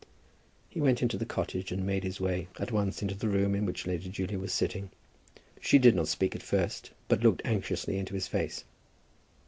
He went into the cottage and made his way at once into the room in which Lady Julia was sitting. She did not speak at first, but looked anxiously into his face.